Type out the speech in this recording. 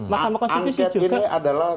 mahkamah konstitusi juga angket ini adalah